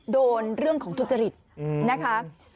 โดนเรื่องของทุจริตนะคะ